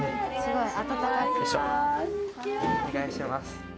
お願いします。